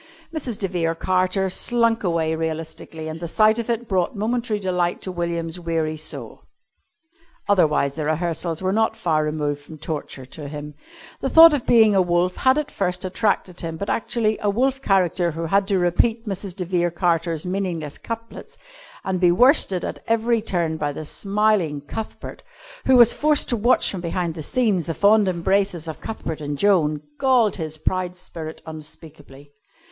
Mrs. de Vere Carter slunk away realistically, and the sight of it brought momentary delight to William's weary soul. Otherwise the rehearsals were not far removed from torture to him. The thought of being a wolf had at first attracted him, but actually a wolf character who had to repeat Mrs. de Vere Carter's meaningless couplets and be worsted at every turn by the smiling Cuthbert, who was forced to watch from behind the scenes the fond embraces of Cuthbert and Joan, galled his proud spirit unspeakably.